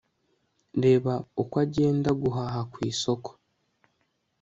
reba uko agenda guhaha ku isoko